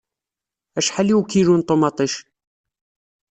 Acḥal i ukilu n ṭumaṭic?